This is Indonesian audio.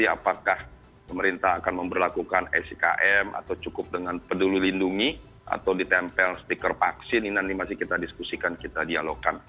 apakah pemerintah akan memperlakukan sikm atau cukup dengan peduli lindungi atau ditempel stiker vaksin ini nanti masih kita diskusikan kita dialogkan